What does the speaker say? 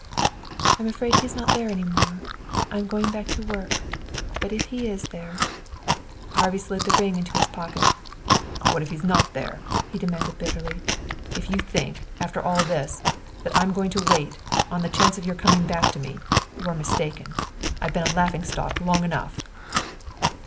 "I'm afraid he is not there any more. I am going back to work. But if he is there " Harvey slid the ring into his pocket. "What if he's not there," he demanded bitterly. "If you think, after all this, that I'm going to wait, on the chance of your coming back to me, you're mistaken. I've been a laughing stock long enough."